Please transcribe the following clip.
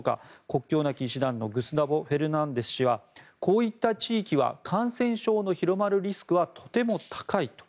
国境なき医師団のグスタボ・フェルナンデス氏はこういった地域は感染症の広まるリスクはとても高いと。